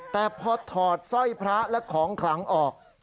แต่พอถอดสร้อยพระและของขลังออก